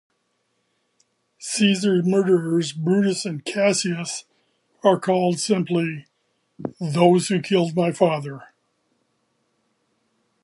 Caesar's murderers Brutus and Cassius are called simply "those who killed my father".